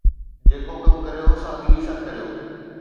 جيڪو ڪم ڪريو، سادگيءَ سان ڪريو.